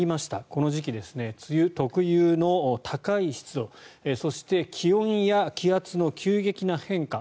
この時期、梅雨特有の高い湿度そして、気温や気圧の急激な変化